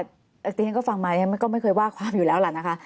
ตอนนี้ก็ฟังมาก็ไม่เคยว่าความอยู่แล้วนะคะ